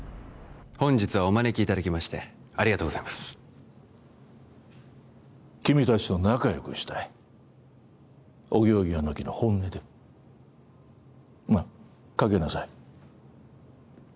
本日はお招きいただきましてありがとうございます君達と仲良くしたいお行儀は抜きの本音でまあかけなさい